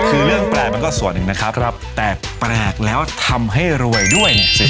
คือเรื่องแปลกมันก็ส่วนหนึ่งนะครับแต่แปลกแล้วทำให้รวยด้วยเนี่ยสิ